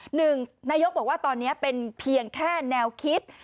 หนึ่งนายกบอกว่าตอนนี้เป็นเพียงแค่แนวคิด